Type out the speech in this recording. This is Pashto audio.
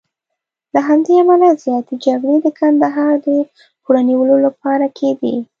له همدې امله زیاتې جګړې د کندهار د پوره نیولو لپاره کېدې.